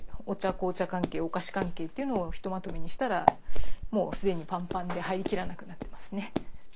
・紅茶関係お菓子関係っていうのをひとまとめにしたらもう既にパンパンで入りきらなくなってますね。